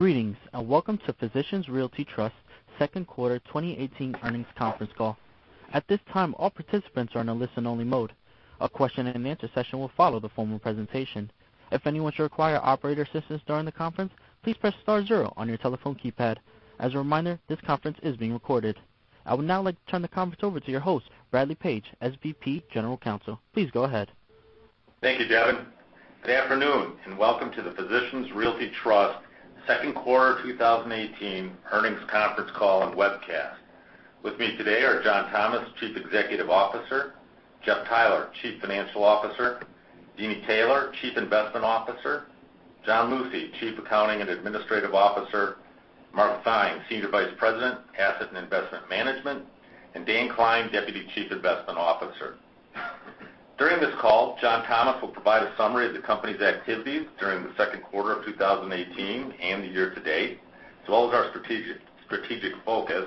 Greetings, welcome to Physicians Realty Trust second quarter 2018 earnings conference call. At this time, all participants are in a listen only mode. A question and answer session will follow the formal presentation. If anyone should require operator assistance during the conference, please press star zero on your telephone keypad. As a reminder, this conference is being recorded. I would now like to turn the conference over to your host, Bradley Page, SVP General Counsel. Please go ahead. Thank you, Kevin. Good afternoon, welcome to the Physicians Realty Trust second quarter 2018 earnings conference call and webcast. With me today are John Thomas, Chief Executive Officer, Jeff Theiler (Chief Financial Officer), Chief Financial Officer, Jeannie Taylor, Chief Investment Officer, John Lucy, Chief Accounting and Administrative Officer, Mark Theine, Senior Vice President Asset and Investment Management, and Dan Klein, Deputy Chief Investment Officer. During this call, John Thomas will provide a summary of the company's activities during the second quarter of 2018 and the year to date, as well as our strategic focus.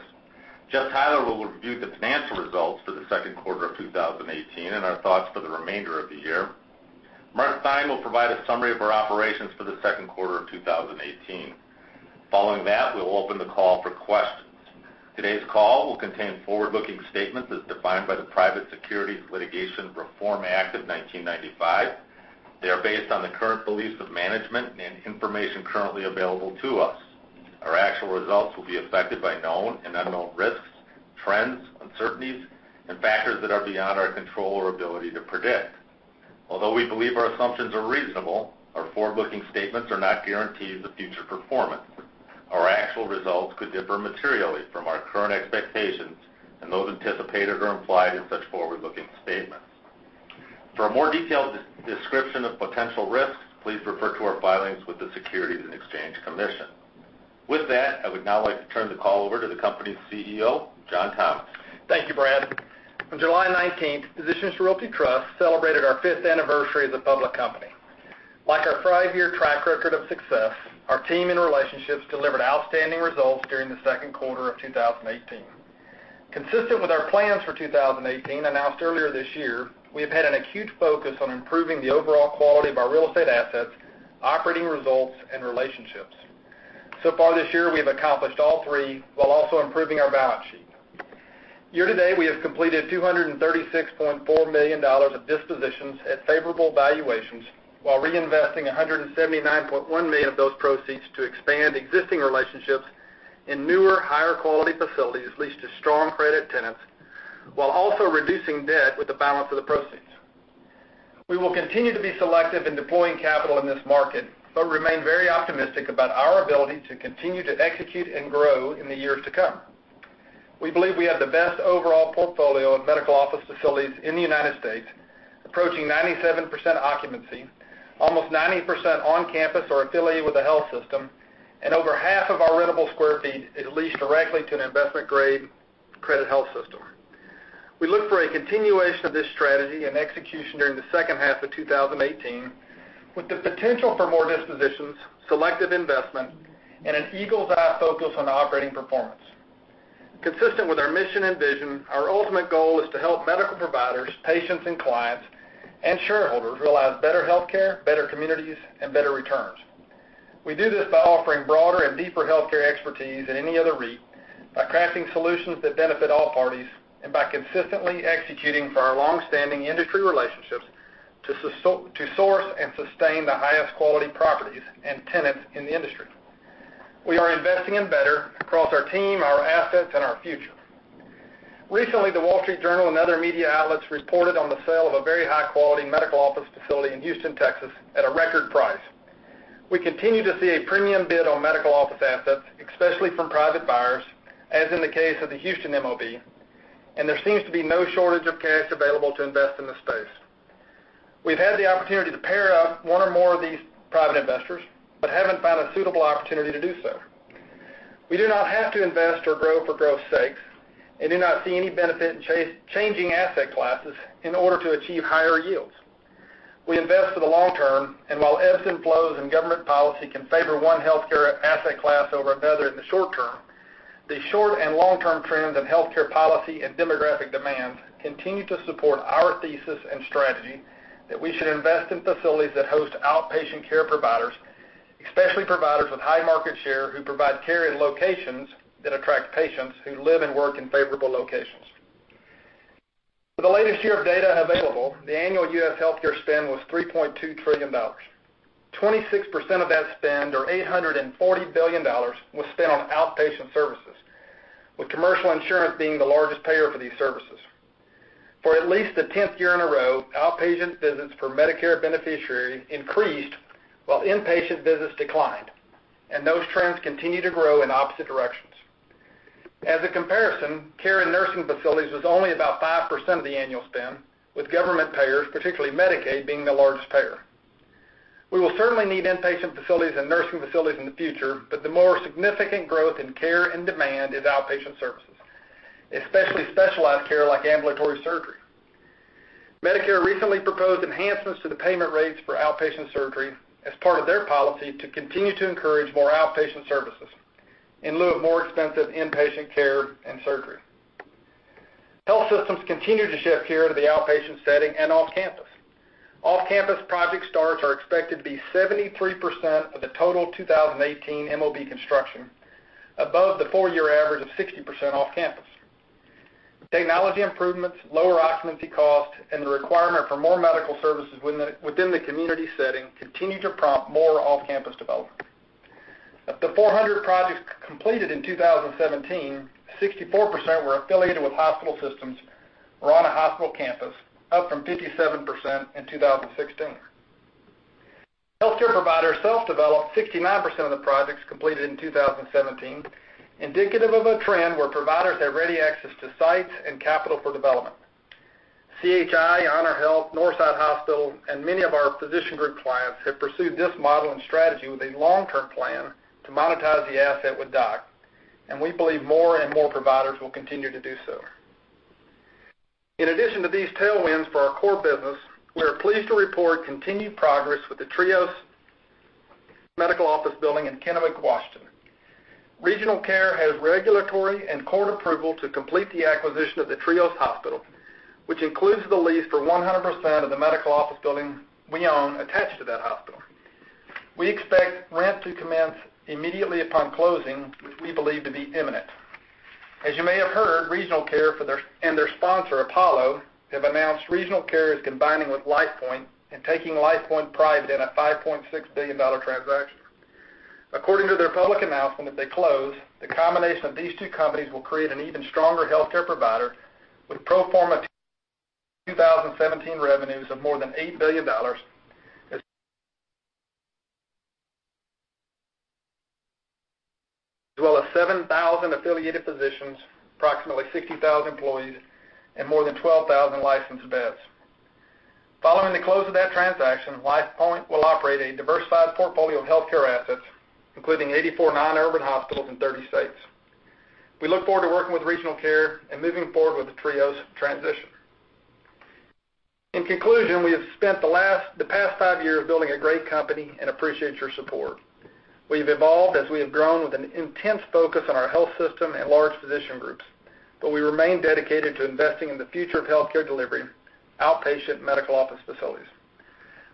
Jeff Theiler will review the financial results for the second quarter of 2018 and our thoughts for the remainder of the year. Mark Theine will provide a summary of our operations for the second quarter of 2018. Following that, we'll open the call for questions. Today's call will contain forward-looking statements as defined by the Private Securities Litigation Reform Act of 1995. They are based on the current beliefs of management and information currently available to us. Our actual results will be affected by known and unknown risks, trends, uncertainties, and factors that are beyond our control or ability to predict. Although we believe our assumptions are reasonable, our forward-looking statements are not guarantees of future performance. Our actual results could differ materially from our current expectations and those anticipated or implied in such forward-looking statements. For a more detailed description of potential risks, please refer to our filings with the Securities and Exchange Commission. With that, I would now like to turn the call over to the company's CEO, John Thomas. Thank you, Brad. On July 19th, Physicians Realty Trust celebrated our fifth anniversary as a public company. Like our five-year track record of success, our team and relationships delivered outstanding results during the second quarter of 2018. Consistent with our plans for 2018 announced earlier this year, we have had an acute focus on improving the overall quality of our real estate assets, operating results, and relationships. So far this year, we have accomplished all three while also improving our balance sheet. Year-to-date, we have completed $236.4 million of dispositions at favorable valuations while reinvesting $179.1 million of those proceeds to expand existing relationships in newer, higher quality facilities leased to strong credit tenants, while also reducing debt with the balance of the proceeds. We will continue to be selective in deploying capital in this market, but remain very optimistic about our ability to continue to execute and grow in the years to come. We believe we have the best overall portfolio of medical office facilities in the U.S., approaching 97% occupancy, almost 90% on campus or affiliated with a health system, and over half of our rentable square feet is leased directly to an investment-grade credit health system. We look for a continuation of this strategy and execution during the second half of 2018, with the potential for more dispositions, selective investment, and an eagle's eye focus on operating performance. Consistent with our mission and vision, our ultimate goal is to help medical providers, patients and clients, and shareholders realize better healthcare, better communities, and better returns. We do this by offering broader and deeper healthcare expertise than any other REIT, by crafting solutions that benefit all parties, and by consistently executing for our longstanding industry relationships to source and sustain the highest quality properties and tenants in the industry. We are investing in better across our team, our assets, and our future. Recently, The Wall Street Journal and other media outlets reported on the sale of a very high-quality medical office facility in Houston, Texas, at a record price. We continue to see a premium bid on medical office assets, especially from private buyers, as in the case of the Houston MOB, and there seems to be no shortage of cash available to invest in this space. We've had the opportunity to pair up one or more of these private investors, but haven't found a suitable opportunity to do so. We do not have to invest or grow for growth's sake and do not see any benefit in changing asset classes in order to achieve higher yields. We invest for the long term, and while ebbs and flows in government policy can favor one healthcare asset class over another in the short term, the short and long-term trends in healthcare policy and demographic demands continue to support our thesis and strategy that we should invest in facilities that host outpatient care providers, especially providers with high market share who provide care in locations that attract patients who live and work in favorable locations. For the latest year of data available, the annual U.S. healthcare spend was $3.2 trillion. 26% of that spend, or $840 billion, was spent on outpatient services, with commercial insurance being the largest payer for these services. For at least the tenth year in a row, outpatient visits per Medicare beneficiary increased while inpatient visits declined, and those trends continue to grow in opposite directions. As a comparison, care in nursing facilities was only about 5% of the annual spend, with government payers, particularly Medicaid, being the largest payer. We will certainly need inpatient facilities and nursing facilities in the future, but the more significant growth in care and demand is outpatient services, especially specialized care like ambulatory surgery. Medicare recently proposed enhancements to the payment rates for outpatient surgery as part of their policy to continue to encourage more outpatient services in lieu of more expensive inpatient care and surgery. Health systems continue to shift care to the outpatient setting and off-campus. Off-campus project starts are expected to be 73% of the total 2018 MOB construction, above the four-year average of 60% off-campus. Technology improvements, lower occupancy costs, and the requirement for more medical services within the community setting continue to prompt more off-campus development. Of the 400 projects completed in 2017, 64% were affiliated with hospital systems or on a hospital campus, up from 57% in 2016. Healthcare providers self-developed 69% of the projects completed in 2017, indicative of a trend where providers have ready access to sites and capital for development. CHI, HonorHealth, Northside Hospital, and many of our physician group clients have pursued this model and strategy with a long-term plan to monetize the asset with DOC, and we believe more and more providers will continue to do so. In addition to these tailwinds for our core business, we are pleased to report continued progress with the Trios Medical Office Building in Kennewick, Washington. Regional Care has regulatory and court approval to complete the acquisition of the Trios Hospital, which includes the lease for 100% of the medical office building we own attached to that hospital. We expect rent to commence immediately upon closing, which we believe to be imminent. As you may have heard, Regional Care and their sponsor, Apollo, have announced Regional Care is combining with LifePoint and taking LifePoint private in a $5.6 billion transaction. According to their public announcement, if they close, the combination of these two companies will create an even stronger healthcare provider with pro forma 2017 revenues of more than $8 billion, as well as 7,000 affiliated physicians, approximately 60,000 employees, and more than 12,000 licensed beds. Following the close of that transaction, LifePoint will operate a diversified portfolio of healthcare assets, including 84 non-urban hospitals in 30 states. We look forward to working with Regional Care and moving forward with the Trios transition. In conclusion, we have spent the past five years building a great company and appreciate your support. We've evolved as we have grown with an intense focus on our health system and large physician groups, but we remain dedicated to investing in the future of healthcare delivery, outpatient medical office facilities.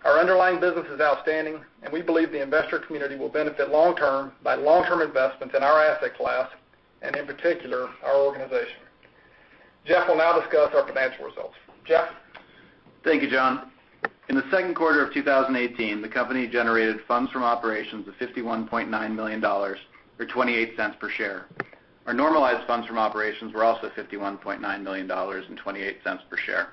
Our underlying business is outstanding, and we believe the investor community will benefit long term by long-term investments in our asset class and, in particular, our organization. Jeff will now discuss our financial results. Jeff? Thank you, John. In the second quarter of 2018, the company generated funds from operations of $51.9 million, or $0.28 per share. Our normalized funds from operations were also $51.9 million and $0.28 per share.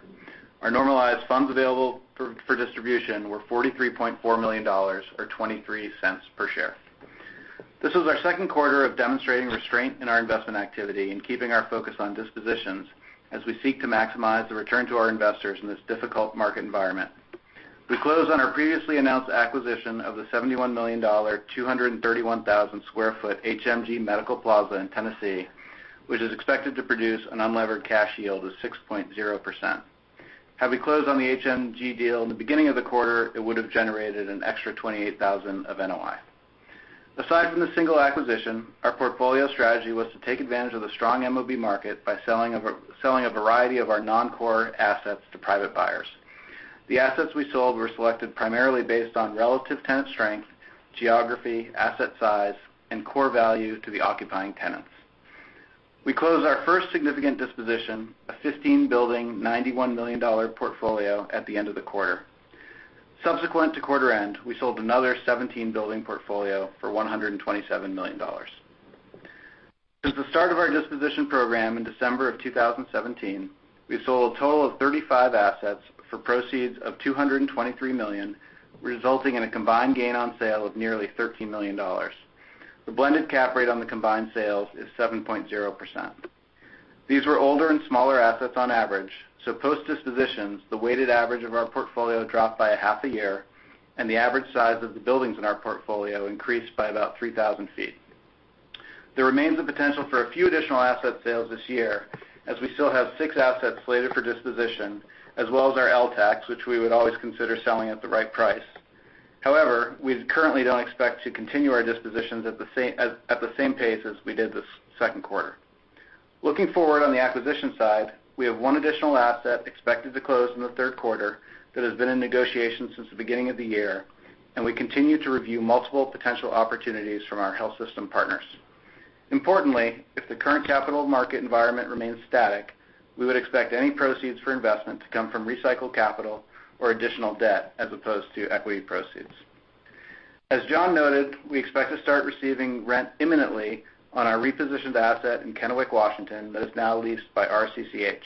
Our normalized funds available for distribution were $43.4 million or $0.23 per share. This was our second quarter of demonstrating restraint in our investment activity and keeping our focus on dispositions as we seek to maximize the return to our investors in this difficult market environment. We closed on our previously announced acquisition of the $71 million, 231,000 square foot HMG Medical Plaza in Tennessee, which is expected to produce an unlevered cash yield of 6.0%. Had we closed on the HMG deal in the beginning of the quarter, it would have generated an extra 28,000 of NOI. Aside from the single acquisition, our portfolio strategy was to take advantage of the strong MOB market by selling a variety of our non-core assets to private buyers. The assets we sold were selected primarily based on relative tenant strength, geography, asset size, and core value to the occupying tenants. We closed our first significant disposition, a 15-building, $91 million portfolio, at the end of the quarter. Subsequent to quarter end, we sold another 17-building portfolio for $127 million. Since the start of our disposition program in December of 2017, we've sold a total of 35 assets for proceeds of $223 million, resulting in a combined gain on sale of nearly $13 million. The blended cap rate on the combined sales is 7.0%. These were older and smaller assets on average. Post-dispositions, the weighted average of our portfolio dropped by a half a year, and the average size of the buildings in our portfolio increased by about 3,000 feet. There remains the potential for a few additional asset sales this year, as we still have six assets slated for disposition, as well as our LTACs, which we would always consider selling at the right price. However, we currently don't expect to continue our dispositions at the same pace as we did this second quarter. Looking forward on the acquisition side, we have one additional asset expected to close in the third quarter that has been in negotiation since the beginning of the year, and we continue to review multiple potential opportunities from our health system partners. Importantly, if the current capital market environment remains static, we would expect any proceeds for investment to come from recycled capital or additional debt as opposed to equity proceeds. As John noted, we expect to start receiving rent imminently on our repositioned asset in Kennewick, Washington that is now leased by RCCH.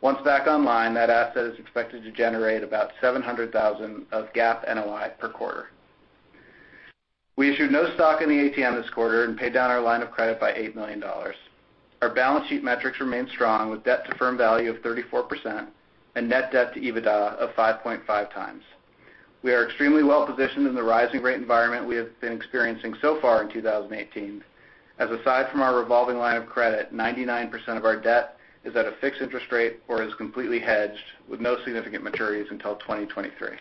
Once back online, that asset is expected to generate about $700,000 of GAAP NOI per quarter. We issued no stock in the ATM this quarter and paid down our line of credit by $8 million. Our balance sheet metrics remain strong with debt-to-firm value of 34% and net debt to EBITDA of 5.5 times. We are extremely well-positioned in the rising rate environment we have been experiencing so far in 2018 as, aside from our revolving line of credit, 99% of our debt is at a fixed interest rate or is completely hedged with no significant maturities until 2023.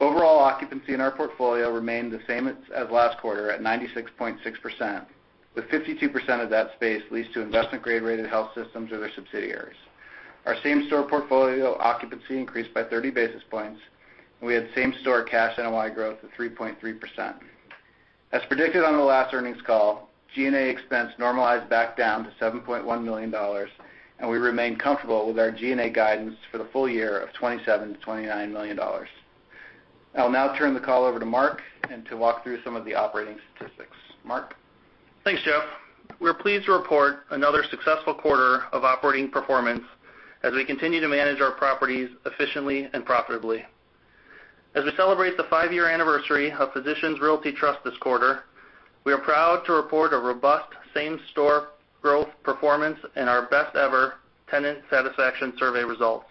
Overall occupancy in our portfolio remained the same as last quarter at 96.6%, with 52% of that space leased to investment grade rated health systems or their subsidiaries. Our same-store portfolio occupancy increased by 30 basis points, and we had same-store cash NOI growth of 3.3%. As predicted on the last earnings call, G&A expense normalized back down to $7.1 million, and we remain comfortable with our G&A guidance for the full year of $27 million-$29 million. I'll now turn the call over to Mark to walk through some of the operating statistics. Mark? Thanks, Jeff. We're pleased to report another successful quarter of operating performance as we continue to manage our properties efficiently and profitably. As we celebrate the five-year anniversary of Physicians Realty Trust this quarter, we are proud to report a robust same-store growth performance and our best-ever tenant satisfaction survey results.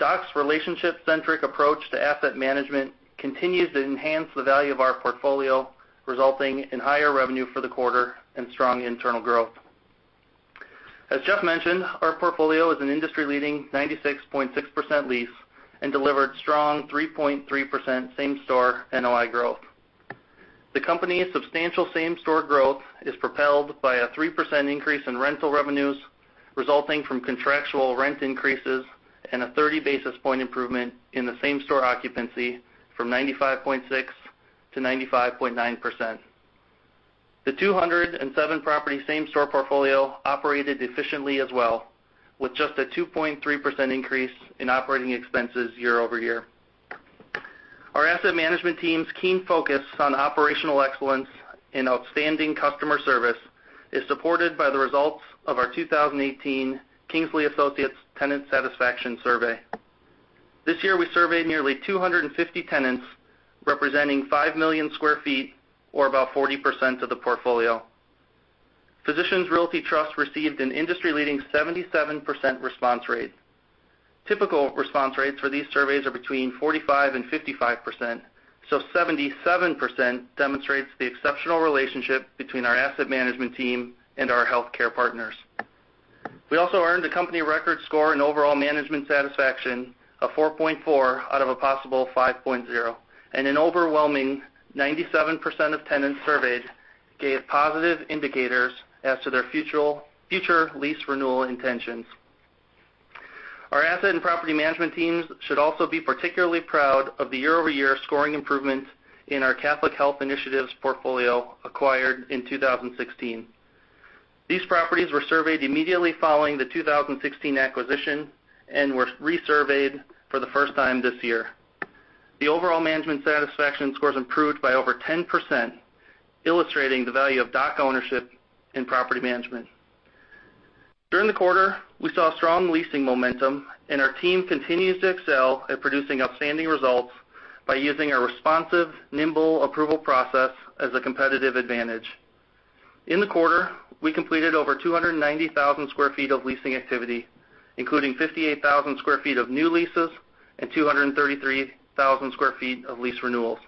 DOC's relationship-centric approach to asset management continues to enhance the value of our portfolio, resulting in higher revenue for the quarter and strong internal growth. As Jeff mentioned, our portfolio is an industry-leading 96.6% leased and delivered strong 3.3% same-store NOI growth. The company's substantial same-store growth is propelled by a 3% increase in rental revenues, resulting from contractual rent increases and a 30 basis point improvement in the same-store occupancy from 95.6% to 95.9%. The 207 property same-store portfolio operated efficiently as well, with just a 2.3% increase in operating expenses year-over-year. Our asset management team's keen focus on operational excellence and outstanding customer service is supported by the results of our 2018 Kingsley Associates tenant satisfaction survey. This year, we surveyed nearly 250 tenants, representing 5 million sq ft, or about 40% of the portfolio. Physicians Realty Trust received an industry-leading 77% response rate. Typical response rates for these surveys are between 45% and 55%, so 77% demonstrates the exceptional relationship between our asset management team and our healthcare partners. We also earned a company record score in overall management satisfaction of 4.4 out of a possible 5.0, and an overwhelming 97% of tenants surveyed gave positive indicators as to their future lease renewal intentions. Our asset and property management teams should also be particularly proud of the year-over-year scoring improvement in our Catholic Health Initiatives portfolio acquired in 2016. These properties were surveyed immediately following the 2016 acquisition and were resurveyed for the first time this year. The overall management satisfaction scores improved by over 10%, illustrating the value of DOC ownership in property management. During the quarter, we saw strong leasing momentum, our team continues to excel at producing outstanding results by using a responsive, nimble approval process as a competitive advantage. In the quarter, we completed over 290,000 sq ft of leasing activity, including 58,000 sq ft of new leases and 233,000 sq ft of lease renewals.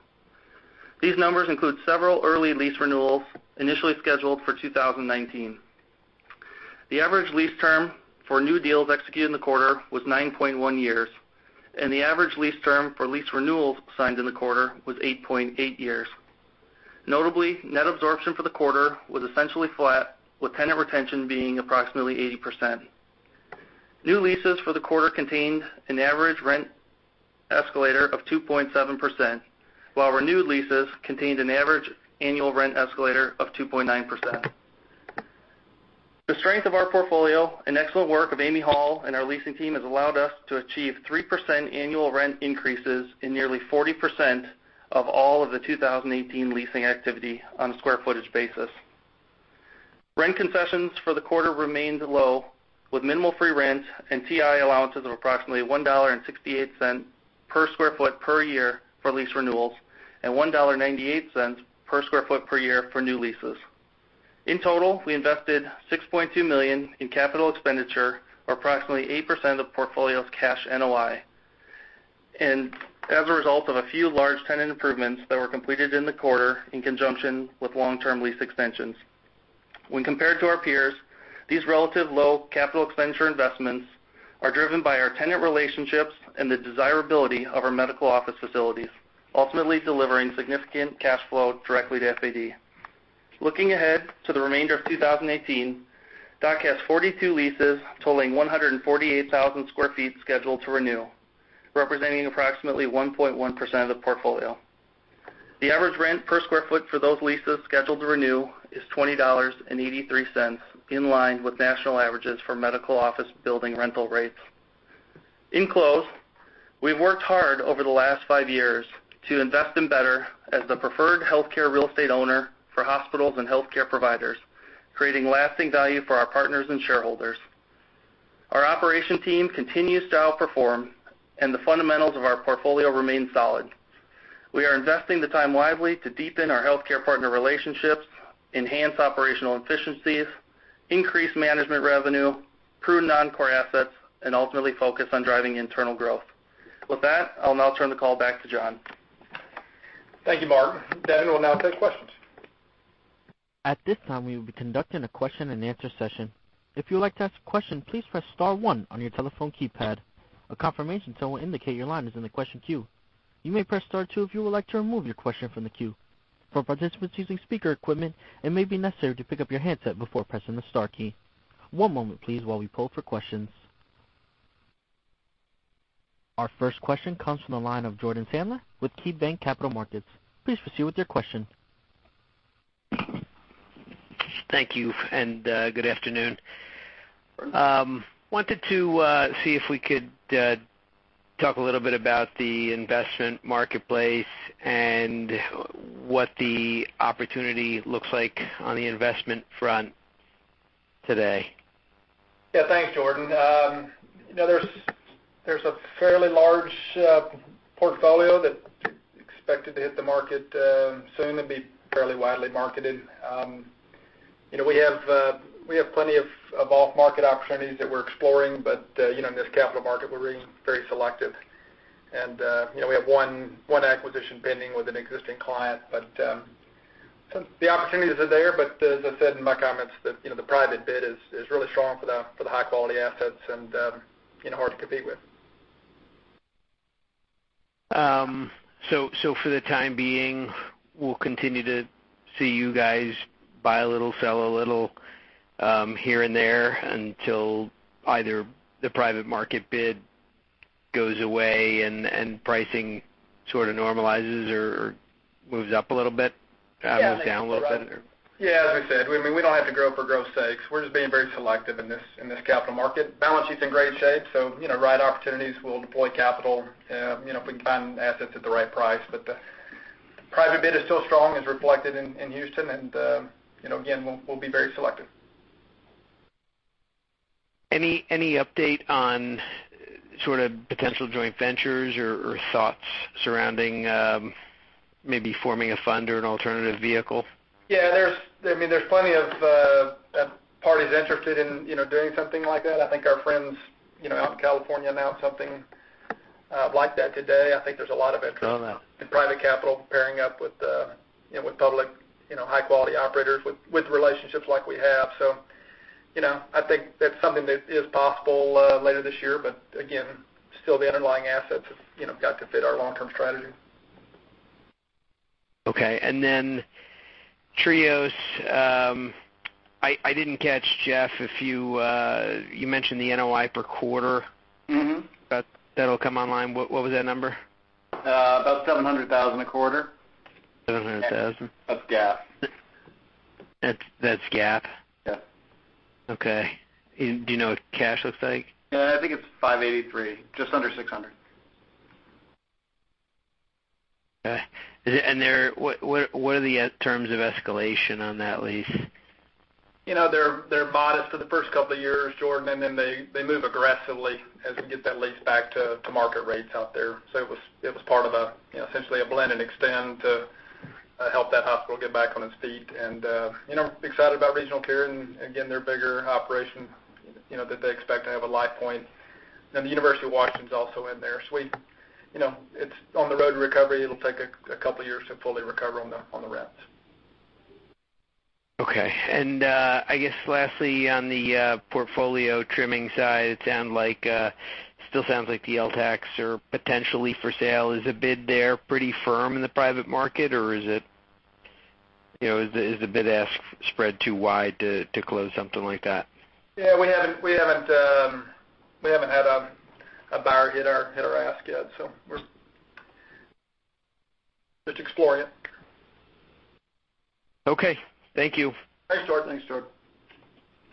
These numbers include several early lease renewals initially scheduled for 2019. The average lease term for new deals executed in the quarter was 9.1 years, and the average lease term for lease renewals signed in the quarter was 8.8 years. Notably, net absorption for the quarter was essentially flat, with tenant retention being approximately 80%. New leases for the quarter contained an average rent escalator of 2.7%, while renewed leases contained an average annual rent escalator of 2.9%. The strength of our portfolio and excellent work of Amy Hall and our leasing team has allowed us to achieve 3% annual rent increases in nearly 40% of all of the 2018 leasing activity on a sq ft basis. Rent concessions for the quarter remained low, with minimal free rent and TI allowances of approximately $1.68 per sq ft per year for lease renewals, and $1.98 per sq ft per year for new leases. In total, we invested $6.2 million in capital expenditure or approximately 8% of the portfolio's cash NOI. As a result of a few large tenant improvements that were completed in the quarter in conjunction with long-term lease extensions. When compared to our peers, these relative low capital expenditure investments are driven by our tenant relationships and the desirability of our medical office facilities, ultimately delivering significant cash flow directly to FAD. Looking ahead to the remainder of 2018, DOC has 42 leases totaling 148,000 sq ft scheduled to renew, representing approximately 1.1% of the portfolio. The average rent per sq ft for those leases scheduled to renew is $20.83, in line with national averages for medical office building rental rates. In close, we've worked hard over the last five years to invest in better as the preferred healthcare real estate owner for hospitals and healthcare providers, creating lasting value for our partners and shareholders. Our operation team continues to outperform, and the fundamentals of our portfolio remain solid. We are investing the time wisely to deepen our healthcare partner relationships, enhance operational efficiencies, increase management revenue, prune non-core assets, and ultimately focus on driving internal growth. With that, I'll now turn the call back to John. Thank you, Mark. Devin will now take questions. At this time, we will be conducting a question and answer session. If you would like to ask a question, please press star one on your telephone keypad. A confirmation tone will indicate your line is in the question queue. You may press star two if you would like to remove your question from the queue. For participants using speaker equipment, it may be necessary to pick up your handset before pressing the star key. One moment please, while we poll for questions. Our first question comes from the line of Jordan Sadler with KeyBanc Capital Markets. Please proceed with your question. Thank you, and good afternoon. Jordan. I wanted to see if we could talk a little bit about the investment marketplace and what the opportunity looks like on the investment front today. Thanks, Jordan. There's a fairly large portfolio that's expected to hit the market soon and be fairly widely marketed. We have plenty of off-market opportunities that we're exploring, but in this capital market, we're being very selective. We have one acquisition pending with an existing client, but the opportunities are there, but as I said in my comments, the private bid is really strong for the high-quality assets and hard to compete with. For the time being, we'll continue to see you guys buy a little, sell a little here and there until either the private market bid goes away and pricing sort of normalizes or moves up a little bit? Yeah. Moves down a little bit? Yeah. As I said, we don't have to grow for growth's sake. We're just being very selective in this capital market. Balance sheet's in great shape, so right opportunities, we'll deploy capital if we can find assets at the right price. The private bid is still strong, as reflected in Houston, and again, we'll be very selective. Any update on sort of potential joint ventures or thoughts surrounding maybe forming a fund or an alternative vehicle? Yeah. There's plenty of parties interested in doing something like that. I think our friends out in California announced something like that today. I think there's a lot of interest. Oh, wow. in private capital pairing up with public high-quality operators with relationships like we have. I think that's something that is possible later this year, but again, still, the underlying assets have got to fit our long-term strategy. Okay. Trios, I didn't catch, Jeff, you mentioned the NOI per quarter. That'll come online. What was that number? About $700,000 a quarter. 700,000. That's GAAP. That's GAAP? Yeah. Okay. Do you know what cash looks like? I think it's 583, just under 600. Okay. What are the terms of escalation on that lease? They're modest for the first couple of years, Jordan, then they move aggressively as we get that lease back to market rates out there. It was part of essentially a blend and extend to help that hospital get back on its feet. Excited about RegionalCare and, again, their bigger operation, that they expect to have a LifePoint. The University of Washington's also in there, it's on the road to recovery. It'll take a couple of years to fully recover on the rents. Okay. I guess lastly, on the portfolio trimming side, it still sounds like LTACs are potentially for sale. Is the bid there pretty firm in the private market, or is the bid-ask spread too wide to close something like that? Yeah, we haven't had a buyer hit our ask yet, so we're just exploring it. Okay. Thank you. Thanks, Jordan.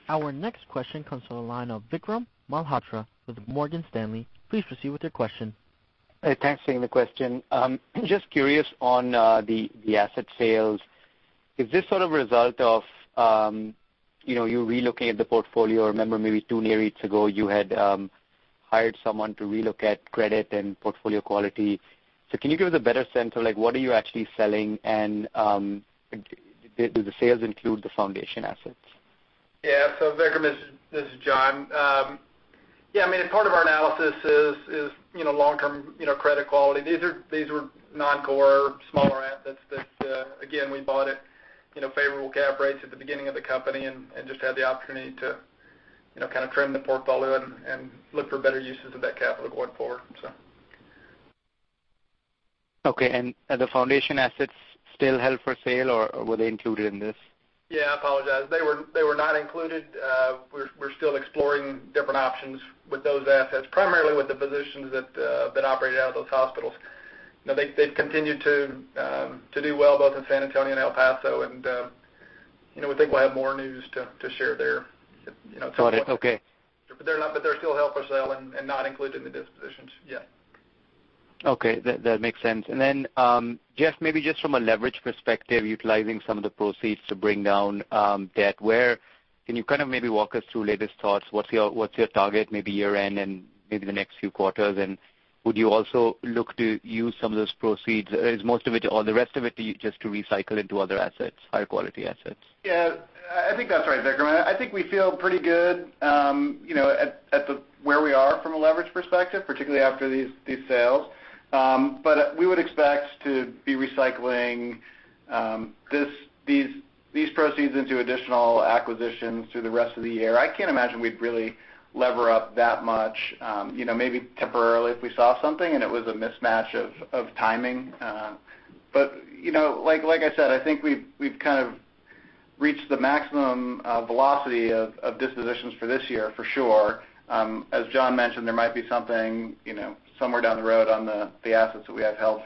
Our next question comes from the line of Vikram Malhotra with Morgan Stanley. Please proceed with your question. Thanks. Taking the question. Just curious on the asset sales. Is this sort of result of you relooking at the portfolio? I remember maybe nearly two weeks ago, you had hired someone to relook at credit and portfolio quality. Can you give us a better sense of what are you actually selling, and do the sales include the foundation assets? Vikram, this is John. Part of our analysis is long-term credit quality. These were non-core, smaller assets that, again, we bought at favorable cap rates at the beginning of the company and just had the opportunity to kind of trim the portfolio and look for better uses of that capital going forward. Okay. The foundation assets still held for sale, or were they included in this? Yeah, I apologize. They were not included. We're still exploring different options with those assets, primarily with the physicians that operate out of those hospitals. They've continued to do well both in San Antonio and El Paso, we think we'll have more news to share there at some point. Got it. Okay. They're still held for sale and not included in the dispositions yet. Okay. That makes sense. Then, Jeff, maybe just from a leverage perspective, utilizing some of the proceeds to bring down debt, can you kind of maybe walk us through latest thoughts? What's your target, maybe year-end and maybe the next few quarters? Would you also look to use some of those proceeds, or is most of it, or the rest of it, just to recycle into other assets, high-quality assets? Yeah. I think that's right, Vikram. I think we feel pretty good at where we are from a leverage perspective, particularly after these sales. We would expect to be recycling these proceeds into additional acquisitions through the rest of the year. I can't imagine we'd really lever up that much. Maybe temporarily if we saw something and it was a mismatch of timing. Like I said, I think we've kind of reached the maximum velocity of dispositions for this year, for sure. As John mentioned, there might be something somewhere down the road on the assets that we have held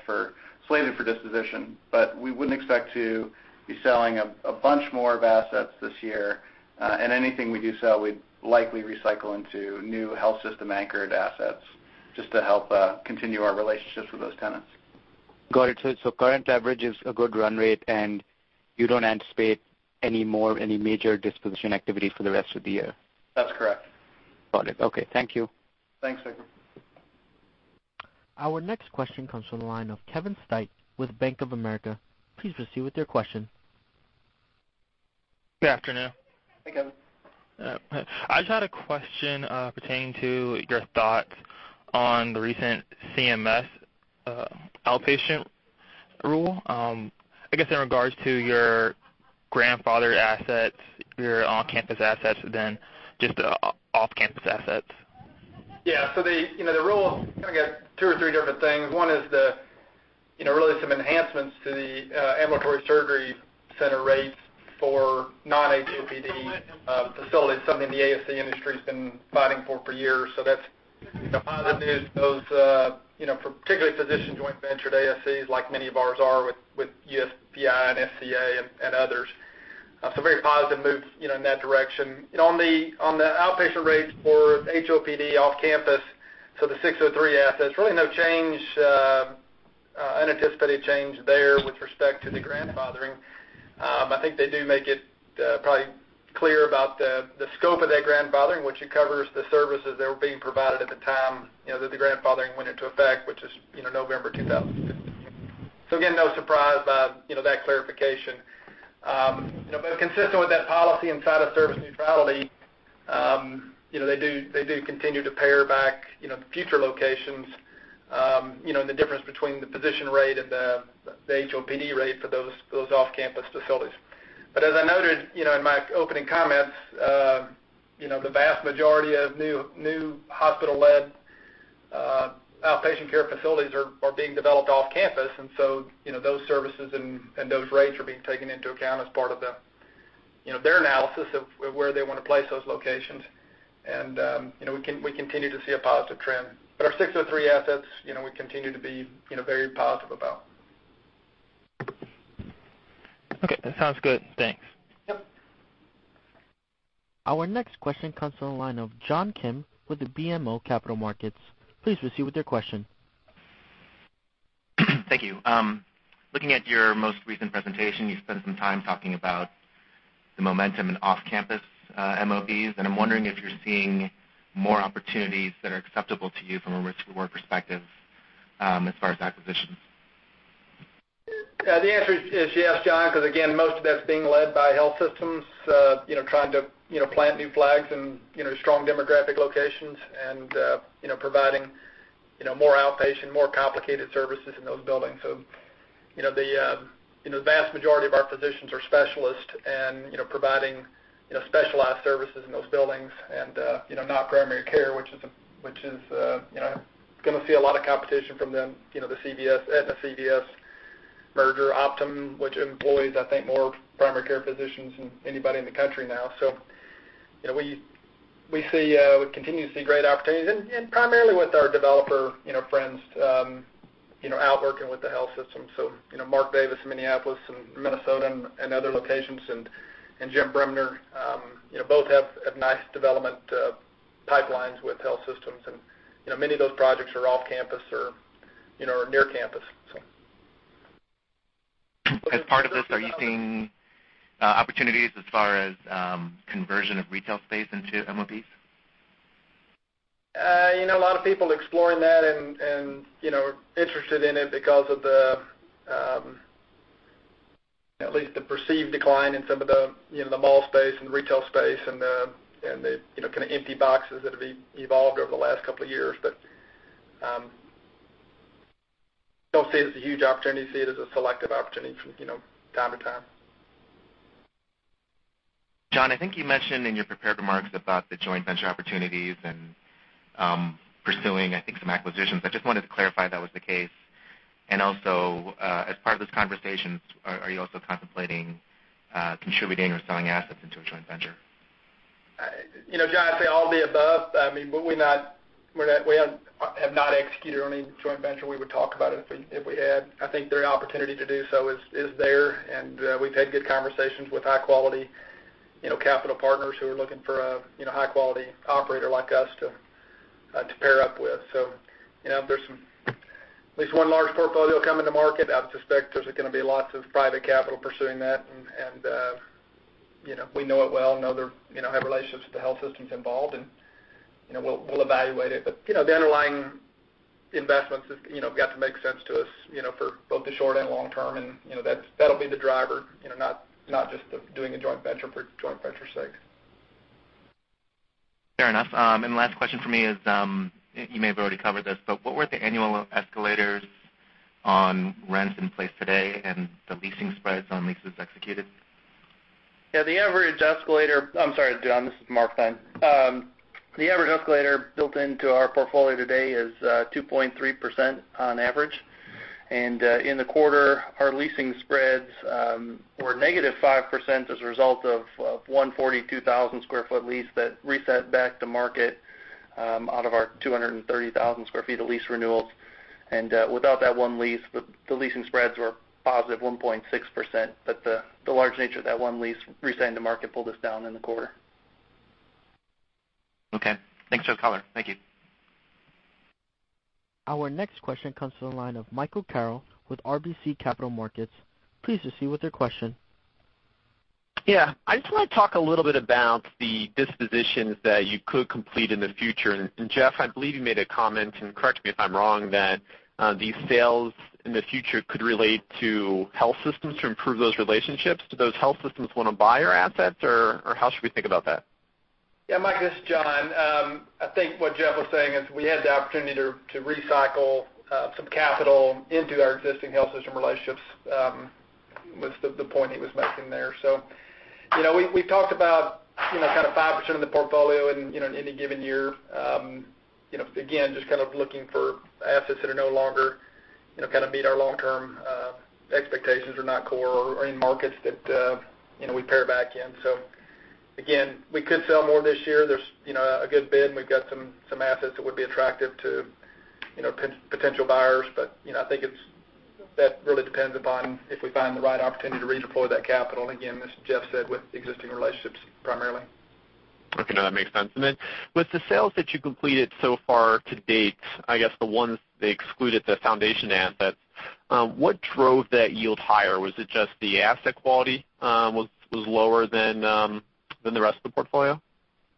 slated for disposition. We wouldn't expect to be selling a bunch more of assets this year. Anything we do sell, we'd likely recycle into new health system-anchored assets just to help continue our relationships with those tenants. Got it. Current leverage is a good run rate, and you don't anticipate any more, any major disposition activity for the rest of the year? That's correct. Got it. Okay. Thank you. Thanks, Vikram. Our next question comes from the line of Kevin Stite with Bank of America. Please proceed with your question. Good afternoon. Hey, Kevin. I just had a question pertaining to your thoughts on the recent CMS outpatient rule. I guess in regards to your grandfathered assets, your on-campus assets than just off-campus assets. Yeah. The rule, kind of got two or three different things. One is really some enhancements to the ambulatory surgery center rates for non-HOPD facilities, something the ASC industry has been fighting for years. That's positive news, particularly physician joint ventured ASCs, like many of ours are with USPI and SCA and others. Very positive moves in that direction. On the outpatient rates for HOPD off-campus, the 603 assets, really no unanticipated change there with respect to the grandfathering. I think they do make it probably clear about the scope of that grandfathering, which it covers the services that were being provided at the time that the grandfathering went into effect, which is November 2015. Again, no surprise by that clarification. Consistent with that policy site-of-service neutrality, they do continue to pare back future locations, and the difference between the physician rate and the HOPD rate for those off-campus facilities. As I noted in my opening comments, the vast majority of new hospital-led outpatient care facilities are being developed off-campus. Those services and those rates are being taken into account as part of their analysis of where they want to place those locations. We continue to see a positive trend. Our 603 assets, we continue to be very positive about. Okay. That sounds good. Thanks. Yep. Our next question comes from the line of John Kim with BMO Capital Markets. Please proceed with your question. Thank you. Looking at your most recent presentation, you spent some time talking about the momentum in off-campus MOBs, I'm wondering if you're seeing more opportunities that are acceptable to you from a risk reward perspective as far as acquisitions. The answer is yes, John, because again, most of that's being led by health systems trying to plant new flags in strong demographic locations and providing more outpatient, more complicated services in those buildings. The vast majority of our physicians are specialists and providing specialized services in those buildings and not primary care, which is going to see a lot of competition from the CVS, Aetna, CVS merger, Optum, which employs, I think, more primary care physicians than anybody in the country now. We continue to see great opportunities and primarily with our developer friends out working with the health system. Mark Davis in Minneapolis and Minnesota and other locations, and Jim Bremner, both have nice development pipelines with health systems, and many of those projects are off-campus or near campus. As part of this, are you seeing opportunities as far as conversion of retail space into MOBs? A lot of people exploring that and are interested in it because of at least the perceived decline in some of the mall space and retail space and the kind of empty boxes that have evolved over the last couple of years. Don't see it as a huge opportunity, see it as a selective opportunity from time to time. John, I think you mentioned in your prepared remarks about the joint venture opportunities and pursuing, I think, some acquisitions. I just wanted to clarify if that was the case. Also, as part of those conversations, are you also contemplating contributing or selling assets into a joint venture? John, I'd say all of the above. We have not executed on any joint venture. We would talk about it if we had. I think their opportunity to do so is there. We've had good conversations with high-quality capital partners who are looking for a high-quality operator like us to pair up with. There's at least one large portfolio coming to market. I would suspect there's going to be lots of private capital pursuing that. We know it well, have relationships with the health systems involved, and we'll evaluate it. The underlying investments have got to make sense to us for both the short and long term, and that'll be the driver, not just doing a joint venture for joint venture's sake. Fair enough. The last question from me is, you may have already covered this, what were the annual escalators on rents in place today and the leasing spreads on leases executed? Yeah. I'm sorry, John, this is Mark Theine. The average escalator built into our portfolio today is 2.3% on average. In the quarter, our leasing spreads were negative 5% as a result of one 42,000 sq ft lease that reset back to market out of our 230,000 sq ft of lease renewals. Without that one lease, the leasing spreads were positive 1.6%, the large nature of that one lease resetting the market pulled us down in the quarter. Okay. Thanks for the color. Thank you. Our next question comes to the line of Michael Carroll with RBC Capital Markets. Please proceed with your question. Yeah. I just want to talk a little bit about the dispositions that you could complete in the future. Jeff, I believe you made a comment, and correct me if I'm wrong, that these sales in the future could relate to health systems to improve those relationships. Do those health systems want to buy your assets, or how should we think about that? Yeah, Mike, this is John. I think what Jeff was saying is we had the opportunity to recycle some capital into our existing health system relationships, was the point he was making there. We've talked about 5% of the portfolio in any given year. Again, just looking for assets that are no longer meet our long-term expectations, are not core, or are in markets that we pare back in. Again, we could sell more this year. There's a good bid, and we've got some assets that would be attractive to potential buyers. I think that really depends upon if we find the right opportunity to redeploy that capital, again, as Jeff said, with existing relationships primarily. Okay. No, that makes sense. With the sales that you completed so far to date, I guess the ones they excluded, the foundation assets, what drove that yield higher? Was it just the asset quality was lower than the rest of the portfolio?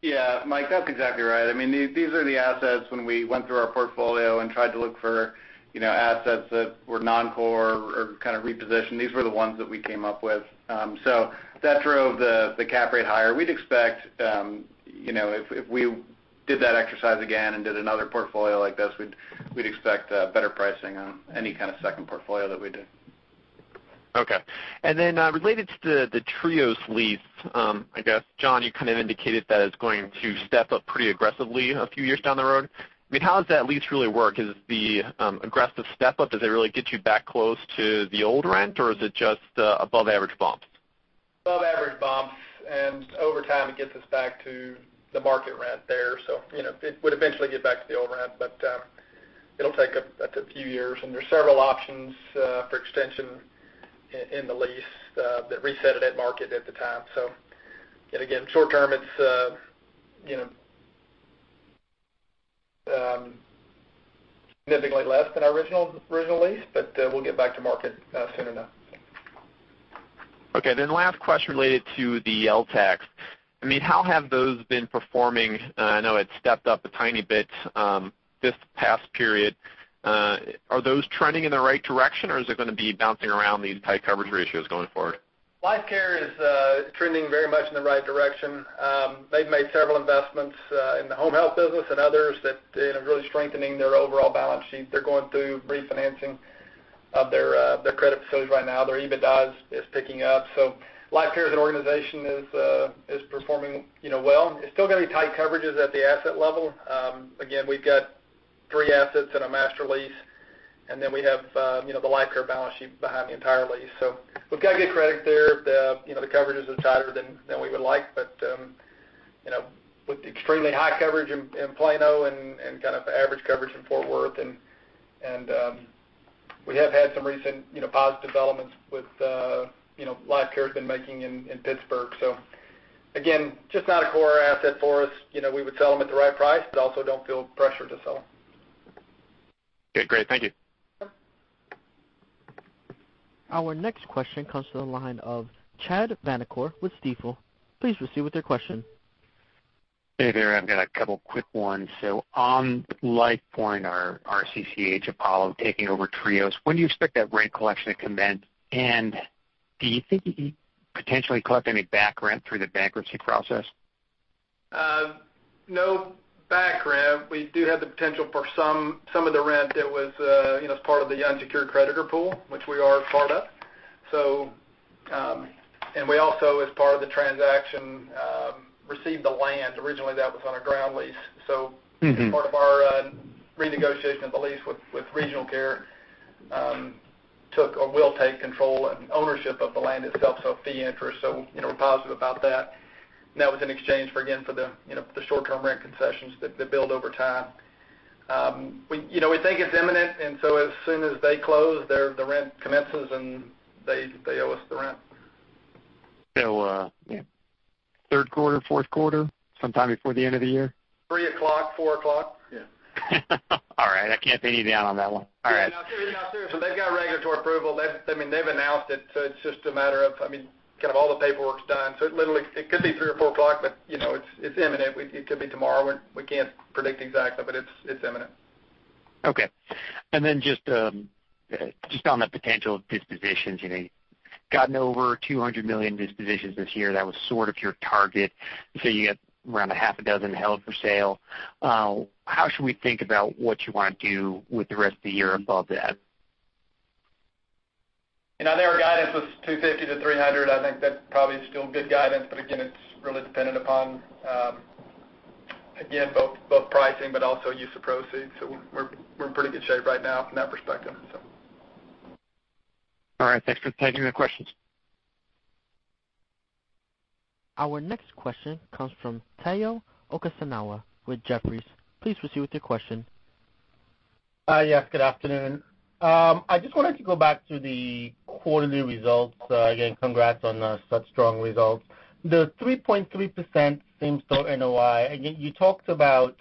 Yeah, Mike, that's exactly right. These are the assets when we went through our portfolio and tried to look for assets that were non-core or kind of reposition, these were the ones that we came up with. That drove the cap rate higher. If we did that exercise again and did another portfolio like this, we'd expect better pricing on any kind of second portfolio that we do. Okay. Related to the Trios lease, I guess, John, you kind of indicated that it's going to step up pretty aggressively a few years down the road. How does that lease really work? Is the aggressive step up, does it really get you back close to the old rent, or is it just above average bumps? Above average bumps, over time it gets us back to the market rent there. It would eventually get back to the old rent, but it'll take a few years, and there's several options for extension in the lease that reset it at market at the time. Again, short-term, it's significantly less than our original lease, but we'll get back to market soon enough. Okay, last question related to the LTACs. How have those been performing? I know it stepped up a tiny bit this past period. Are those trending in the right direction, or is it going to be bouncing around these tight coverage ratios going forward? Life Care is trending very much in the right direction. They've made several investments in the home health business and others that are really strengthening their overall balance sheet. They're going through refinancing of their credit facilities right now. Their EBITDA is picking up. Life Care as an organization is performing well. It's still going to be tight coverages at the asset level. Again, we've got three assets in a master lease, and we have the Life Care balance sheet behind the entire lease. We've got good credit there. The coverage is tighter than we would like, but with extremely high coverage in Plano and kind of average coverage in Fort Worth. We have had some recent positive developments with Life Care has been making in Pittsburgh. Again, just not a core asset for us. We would sell them at the right price, also don't feel pressure to sell them. Okay, great. Thank you. Our next question comes to the line of Chad Vanacore with Stifel. Please proceed with your question. Hey there. I've got a couple quick ones. On Life Point or RCCH, Apollo taking over Trios, when do you expect that rent collection to commence? Do you think you could potentially collect any back rent through the bankruptcy process? No back rent. We do have the potential for some of the rent that was as part of the unsecured creditor pool, which we are part of. We also, as part of the transaction, received the land. Originally, that was on a ground lease. Part of our renegotiation of the lease with Regional Care took or will take control and ownership of the land itself, so fee interest. We're positive about that. That was in exchange for, again, for the short-term rent concessions that build over time. We think it's imminent, as soon as they close, the rent commences, they owe us the rent. Third quarter, fourth quarter, sometime before the end of the year? Three o'clock, four o'clock. Yeah. All right. I can't pin you down on that one. All right. Seriously, they've got regulatory approval. They've announced it, so it's just a matter of all the paperwork's done. Literally, it could be three or four o'clock, but it's imminent. It could be tomorrow. We can't predict exactly, but it's imminent. Okay. Just on the potential of dispositions, gotten over $200 million dispositions this year, that was sort of your target. You say you got around a half a dozen held for sale. How should we think about what you want to do with the rest of the year above that? I know our guidance was $250 million-$300 million. I think that probably is still good guidance, again, it's really dependent upon, again, both pricing but also use of proceeds. We're in pretty good shape right now from that perspective. All right, thanks for taking the questions. Our next question comes from Tayo Okusanya with Jefferies. Please proceed with your question. Yes, good afternoon. I just wanted to go back to the quarterly results. Again, congrats on such strong results. The 3.3% same-store NOI, again, you talked about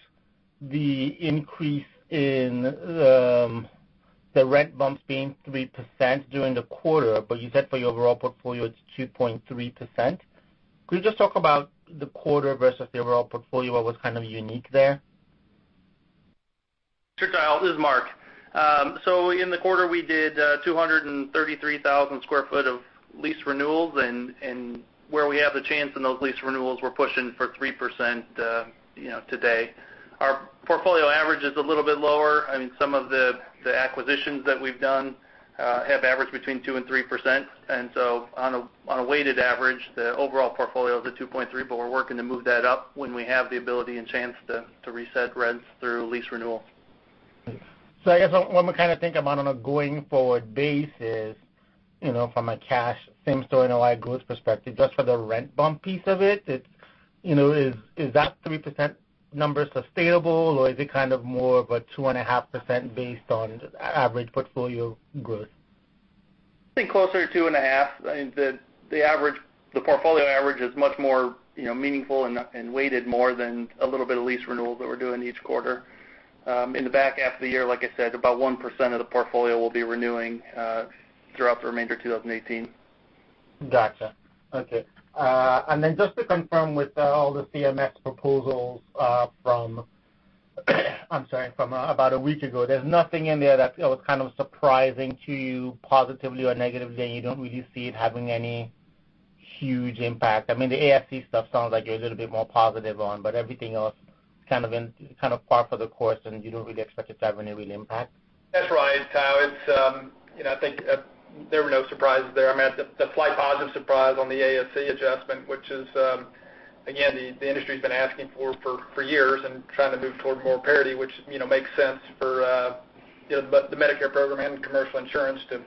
the increase in the rent bumps being 3% during the quarter, but you said for your overall portfolio, it's 2.3%. Could you just talk about the quarter versus the overall portfolio? What was kind of unique there? Sure, Tayo. This is Mark. In the quarter, we did 233,000 square foot of lease renewals, and where we have the chance in those lease renewals, we're pushing for 3% today. Our portfolio average is a little bit lower. Some of the acquisitions that we've done have averaged between 2% and 3%. On a weighted average, the overall portfolio is at 2.3%, but we're working to move that up when we have the ability and chance to reset rents through lease renewals. I guess what I'm kind of thinking about on a going forward basis, from a cash same-store NOI growth perspective, just for the rent bump piece of it, is that 3% number sustainable, or is it kind of more of a 2.5% based on average portfolio growth? I think closer to 2.5%. The portfolio average is much more meaningful and weighted more than a little bit of lease renewals that we're doing each quarter. In the back half of the year, like I said, about 1% of the portfolio we'll be renewing throughout the remainder of 2018. Gotcha. Okay. Just to confirm with all the CMS proposals from, about a week ago, there's nothing in there that was kind of surprising to you positively or negatively, and you don't really see it having any huge impact? The ASC stuff sounds like you're a little bit more positive on, but everything else kind of par for the course, and you don't really expect it to have any real impact? That's right, Tayo. I think there were no surprises there. The slight positive surprise on the ASC adjustment, which is, again, the industry's been asking for years and trying to move towards more parity, which makes sense for the Medicare program and commercial insurance to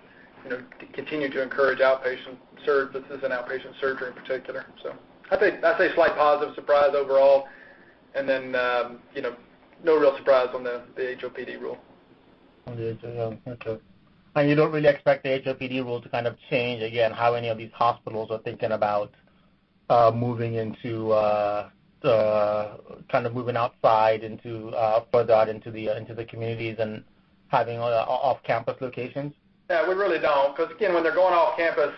continue to encourage outpatient services and outpatient surgery in particular. I'd say slight positive surprise overall, no real surprise on the HOPD rule. On the HOPD. Okay. You don't really expect the HOPD rule to kind of change, again, how any of these hospitals are thinking about moving outside into the communities and having off-campus locations? Yeah, we really don't, because again, when they're going off campus,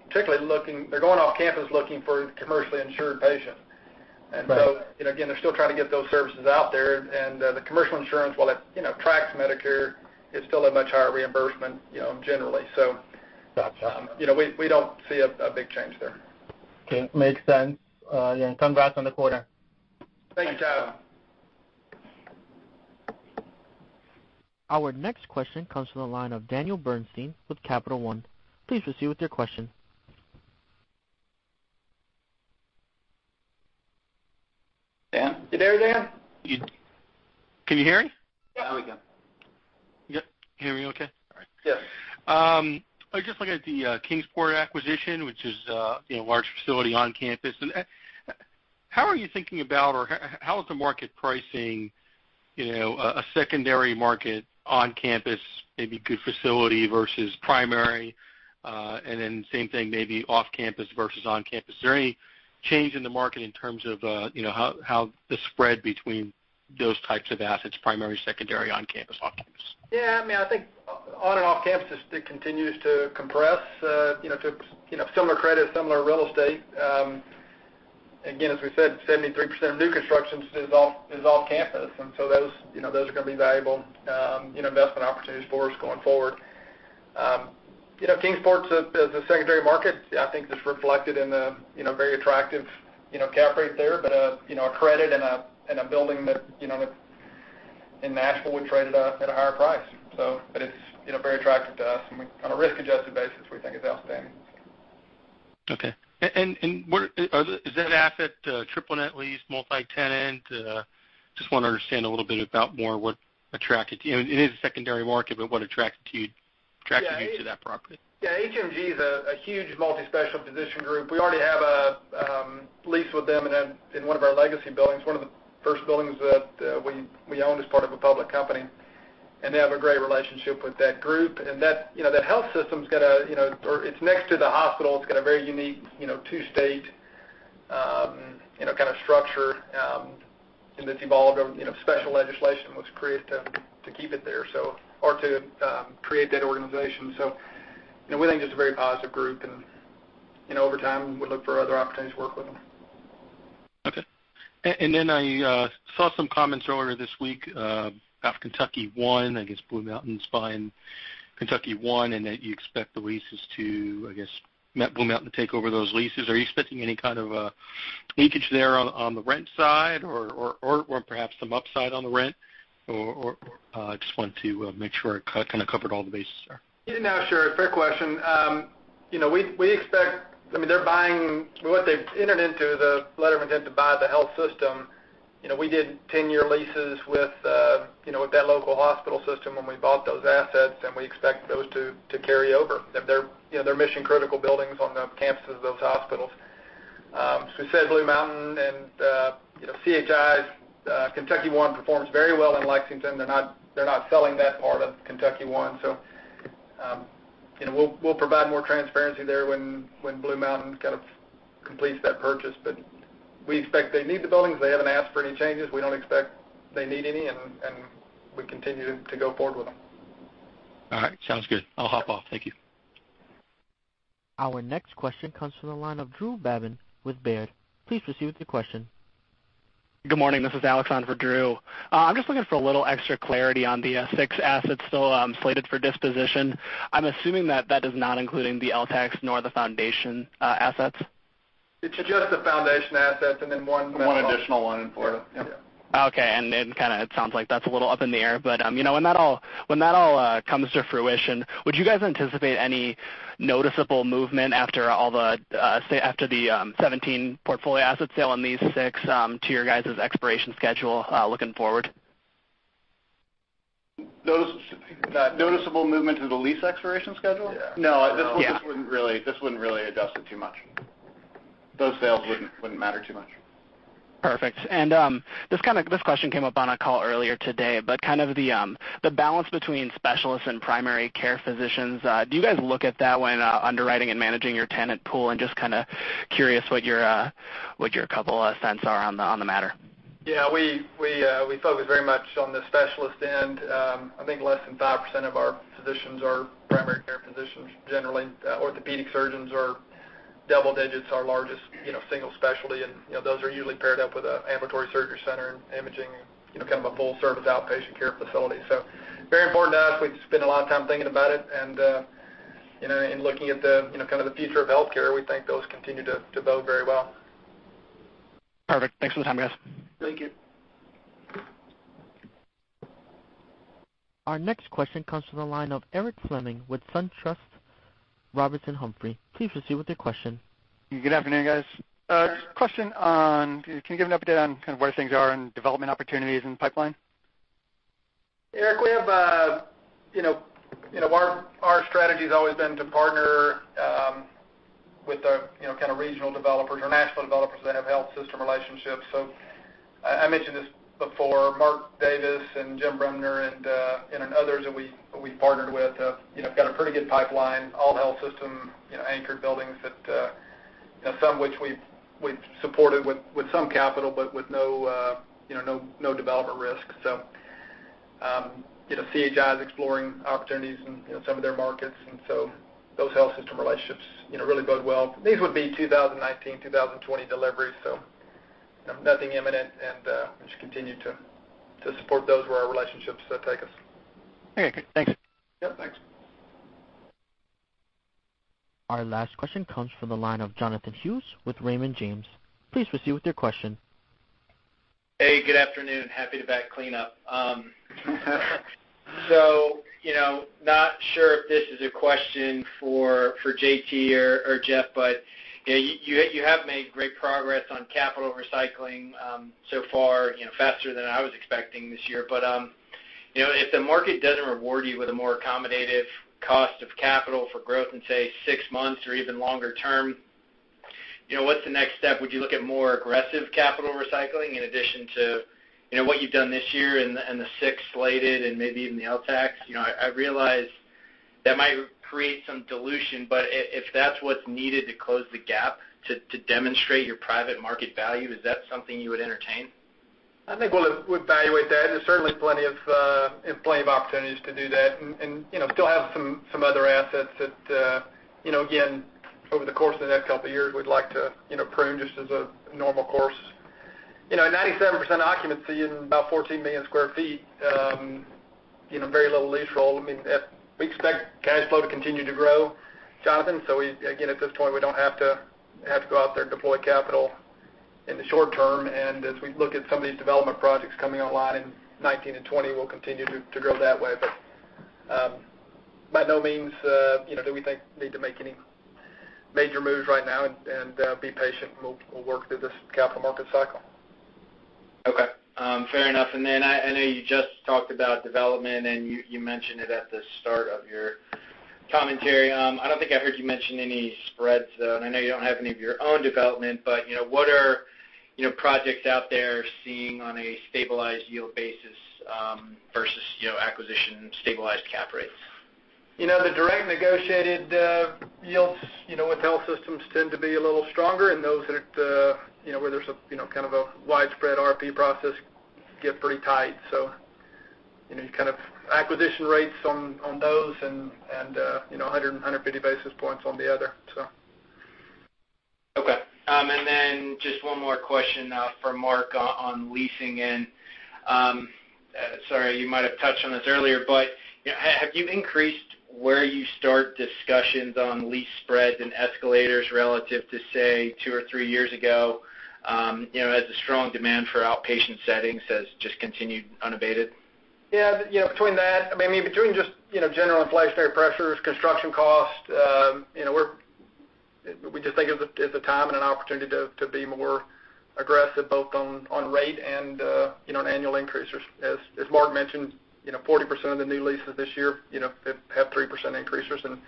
particularly they're going off campus looking for commercially insured patients. Right. Again, they're still trying to get those services out there, and the commercial insurance, while it tracks Medicare, is still a much higher reimbursement generally. Gotcha We don't see a big change there. Okay. Makes sense. Yeah, congrats on the quarter. Thanks, Tayo. Our next question comes from the line of Daniel Bernstein with Capital One. Please proceed with your question. Dan. You there, Dan? Can you hear me? Yeah. There we go. Yep. Can you hear me okay? All right. Yes. I was just looking at the Kingsport acquisition, which is a large facility on campus. How are you thinking about, or how is the market pricing a secondary market on campus, maybe good facility versus primary, same thing, maybe off-campus versus on-campus? Is there any change in the market in terms of how the spread between those types of assets, primary, secondary, on-campus, off-campus? Yeah. I think on and off-campus, it continues to compress to similar credit, similar real estate. Again, as we said, 73% of new construction is off-campus. Those are going to be valuable investment opportunities for us going forward. Kingsport's a secondary market, I think that's reflected in the very attractive cap rate there, but a credit and a building that in Nashville would trade at a higher price. It's very attractive to us, and on a risk-adjusted basis, we think it's outstanding. Okay. Is that asset triple net lease, multi-tenant? I just want to understand a little bit about more what attracted you. It is a secondary market, what attracted you to that property? Yeah. HMG is a huge multi-specialty physician group. We already have a lease with them in one of our legacy buildings, one of the first buildings that we owned as part of a public company. They have a great relationship with that group. That health system, it's next to the hospital. It's got a very unique two-state kind of structure, and it's evolved over. Special legislation was created to keep it there, or to create that organization. We think it's a very positive group, and over time, we look for other opportunities to work with them. Okay. I saw some comments earlier this week about KentuckyOne Health. I guess Blue Mountain Capital's buying KentuckyOne Health, and that you expect the leases to, I guess, Blue Mountain Capital to take over those leases. Are you expecting any kind of leakage there on the rent side or perhaps some upside on the rent? I just wanted to make sure I covered all the bases there. Yeah. No, sure. Fair question. What they've entered into the letter of intent to buy the health system, we did 10-year leases with that local hospital system when we bought those assets. We expect those to carry over. They're mission-critical buildings on the campuses of those hospitals. We said Blue Mountain Capital and CHI Health. KentuckyOne Health performs very well in Lexington. They're not selling that part of KentuckyOne Health. We'll provide more transparency there when Blue Mountain Capital completes that purchase. We expect they need the buildings. They haven't asked for any changes. We don't expect they need any, and we continue to go forward with them. All right. Sounds good. I'll hop off. Thank you. Our next question comes from the line of Drew Babin with Baird. Please proceed with your question. Good morning. This is Alex on for Drew. I'm just looking for a little extra clarity on the six assets still slated for disposition. I'm assuming that is not including the LTACs nor the foundation assets. It's just the foundation assets and then one. One additional one in Florida. Yeah. Okay. It sounds like that's a little up in the air. When that all comes to fruition, would you guys anticipate any noticeable movement after the 17 portfolio asset sale and these six to your guys' expiration schedule looking forward? Noticeable movement to the lease expiration schedule? Yeah. No, this wouldn't really adjust it too much. Those sales wouldn't matter too much. Perfect. This question came up on a call earlier today, but kind of the balance between specialists and primary care physicians, do you guys look at that when underwriting and managing your tenant pool? I'm just kind of curious what your couple of cents are on the matter. We focus very much on the specialist end. I think less than 5% of our physicians are primary care physicians. Generally, orthopedic surgeons are double digits, our largest single specialty, and those are usually paired up with an ambulatory surgery center and imaging, kind of a full-service outpatient care facility. Very important to us. We've spent a lot of time thinking about it, and looking at the future of healthcare, we think those continue to bode very well. Perfect. Thanks for the time, guys. Thank you. Our next question comes from the line of Eric Fleming with SunTrust Robinson Humphrey. Please proceed with your question. Good afternoon, guys. Question on, can you give an update on kind of where things are in development opportunities in the pipeline? Eric, our strategy has always been to partner with the regional developers or national developers that have health system relationships. I mentioned this before, Mark Davis and Jim Bremner and others that we've partnered with have got a pretty good pipeline, all health system-anchored buildings that some which we've supported with some capital, but with no developer risk. CHI is exploring opportunities in some of their markets, Those health system relationships really bode well. These would be 2019, 2020 deliveries, so nothing imminent, and we just continue to support those where our relationships take us. Okay, good. Thanks. Yeah, thanks. Our last question comes from the line of Jonathan Hughes with Raymond James. Please proceed with your question. Hey, good afternoon. Happy to bat cleanup. Not sure if this is a question for J.T. or Jeff, but you have made great progress on capital recycling so far, faster than I was expecting this year. If the market doesn't reward you with a more accommodative cost of capital for growth in, say, six months or even longer term, what's the next step? Would you look at more aggressive capital recycling in addition to what you've done this year and the six slated and maybe even the LTACs? I realize that might create some dilution, but if that's what's needed to close the gap to demonstrate your private market value, is that something you would entertain? I think we'll evaluate that. There's certainly plenty of opportunities to do that, and still have some other assets that, again, over the course of the next couple of years, we'd like to prune just as a normal course. 97% occupancy in about 14 million sq ft, very little lease roll. We expect cash flow to continue to grow, Jonathan. Again, at this point, we don't have to go out there and deploy capital in the short term. As we look at some of these development projects coming online in 2019 and 2020, we'll continue to grow that way. By no means do we think need to make any major moves right now and be patient, and we'll work through this capital market cycle. Okay. Fair enough. Then I know you just talked about development, and you mentioned it at the start of your commentary. I don't think I heard you mention any spreads, though, and I know you don't have any of your own development, but what are projects out there seeing on a stabilized yield basis versus acquisition-stabilized cap rates? The direct negotiated yields with health systems tend to be a little stronger, and those where there's kind of a widespread RFP process get pretty tight. Acquisition rates on those and 150 basis points on the other. Okay. Just one more question for Mark on leasing, and sorry, you might have touched on this earlier, but have you increased where you start discussions on lease spreads and escalators relative to, say, two or three years ago, as the strong demand for outpatient settings has just continued unabated? Yeah. Between that, I mean, between just general inflationary pressures, construction cost, we just think it's a time and an opportunity to be more aggressive, both on rate and on annual increases. As Mark mentioned, 40% of the new leases this year have 3% increases, and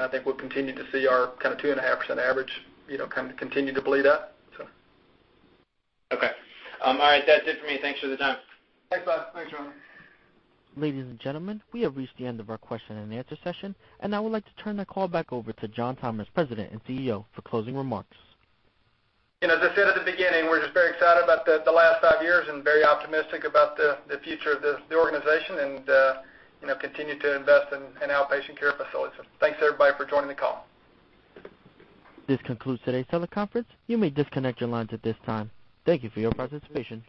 I think we'll continue to see our 2.5% average continue to bleed up. Okay. All right, that's it for me. Thanks for the time. Thanks, bud. Thanks, Jonathan. Ladies and gentlemen, we have reached the end of our question-and-answer session, and I would like to turn the call back over to John Thomas, President and CEO, for closing remarks. As I said at the beginning, we're just very excited about the last five years and very optimistic about the future of the organization and continue to invest in outpatient care facilities. Thanks, everybody, for joining the call. This concludes today's teleconference. You may disconnect your lines at this time. Thank you for your participation.